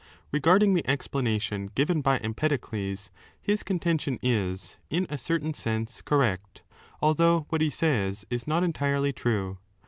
Eegarding the explanation given by Empedocles, his contention is, in a certain sense, correct, although 4 what he says is not entirely true.